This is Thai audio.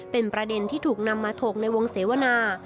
เป็นประเด็นที่ถูกนำมาถกในวงเสวนา